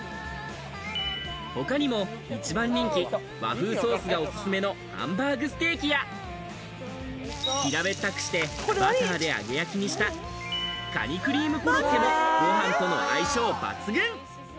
他にも一番人気、和風ソースがおすすめのハンバーグステーキや平べったくして、バターで揚げ焼きにしたカニクリームコロッケもご飯との相性抜群。